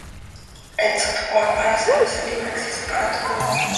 el software para hacerlo es de libre acceso para todo el mundo